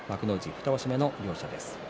２場所目の両者です。